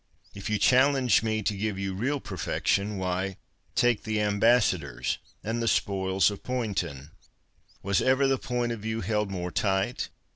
If you challenge me to give you real perfection, why, take ' The Ambassadors ' and ' The Spoils of Poynton,' Was ever the point of view held more tight